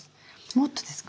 もっとですか？